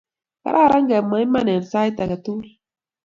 kararan kemwa iman eng sait age tugul